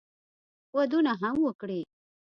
ودونه هم وکړي.